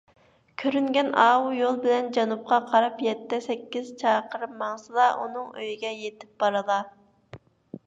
كۆرۈنگەن ئاۋۇ يول بىلەن جەنۇبقا قاراپ يەتتە - سەككىز چاقىرىم ماڭسىلا، ئۇنىڭ ئۆيىگە يېتىپ بارىلا.